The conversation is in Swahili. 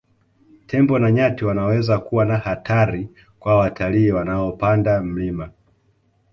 Tembo na nyati wanaweza kuwa na hatari kwa watalii wanaopanda mlima